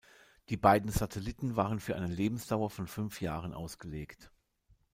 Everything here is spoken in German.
Die beiden Satelliten waren für eine Lebensdauer von fünf Jahren ausgelegt.